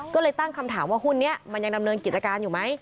ก็เลยตั้งคำถามว่าหุ้นนี้มันยังดำเนินกิจการอยู่ไหม